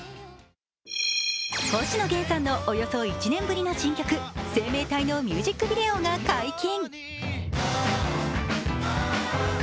星野源さんのおよそ１年ぶりの新曲「生命体」のミュージックビデオが解禁。